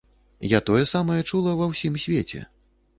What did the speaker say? Я тое самае чула ва ўсім свеце.